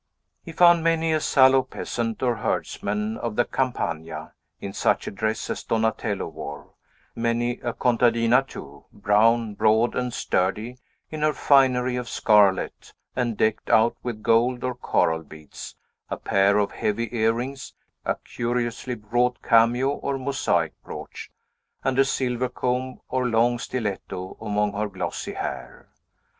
He found many a sallow peasant or herdsman of the Campagna, in such a dress as Donatello wore; many a contadina, too, brown, broad, and sturdy, in her finery of scarlet, and decked out with gold or coral beads, a pair of heavy earrings, a curiously wrought cameo or mosaic brooch, and a silver comb or long stiletto among her glossy hair.